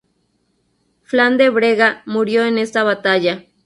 Flann de Brega murió en esta batalla.